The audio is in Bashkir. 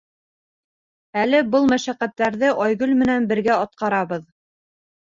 Әле был мәшәҡәттәрҙе Айгөл менән бергә атҡарабыҙ.